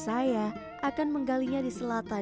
seramai dagang panggung pelawan